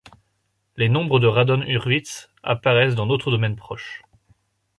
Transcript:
Les nombres de Radon–Hurwitz apparaissent dans d'autres domaines proches.